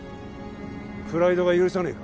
プライドが許さねえか？